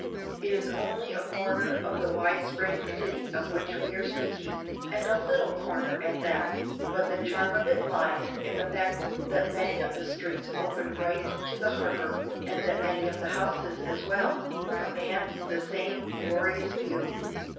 It is only a corner of the wide spreading city of which we are speaking, and a little corner at that, but the charm of it lies in the fact that many of the streets open right to the harbor, and that many of the houses, as well, command the same glorious view.